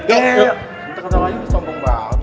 nanti ketemu lagi gue sombong banget